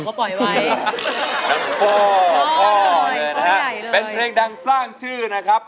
ก็ปล่อยไว้นักพ่อพ่อเลยนะฮะเป็นเพลงดังสร้างชื่อนะครับ